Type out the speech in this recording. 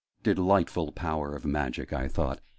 "Delightful power of magic!" I thought.